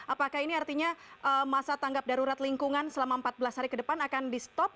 apakah ini artinya masa tanggap darurat lingkungan selama empat belas hari ke depan akan di stop